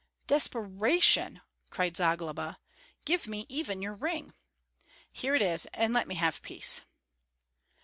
"Desperation!" cried Zagloba; "give me even your ring." "Here it is, and let me have peace!"